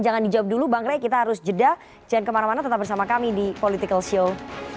jangan dijawab dulu bang rey kita harus jeda jangan kemana mana tetap bersama kami di political show